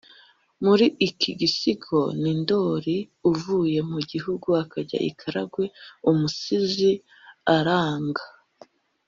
Muri iki gisigo ni Ndoli uvuye mu Gihugu akajya i Karagwe. Umusizi aranga